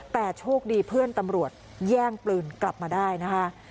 แต่โชคดีเพื่อนตำรวจแย่งปืนกลับมาได้นะคะ